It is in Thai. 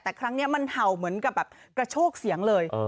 แต่ครั้งนี้มันเห่าเหมือนกับแบบกระโชกเสียงเลย